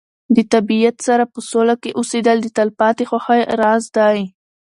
د طبیعت سره په سوله کې اوسېدل د تلپاتې خوښۍ راز دی.